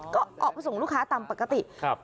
ก็ออกไปส่งลูกค้าตามปกติครับ